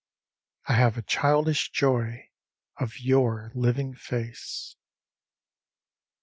I have a childish joy of your living face